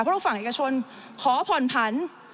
เพราะฝั่งเอกชนขอผ่อนผัน